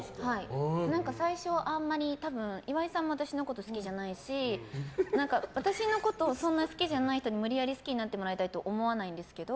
最初、あんまり岩井さんは私のこと好きじゃないし、私のことそんなに好きじゃない人に無理やり好きなってもらいたいと思わないんですけど